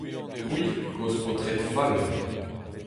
C'hwi, kozh paotred fall !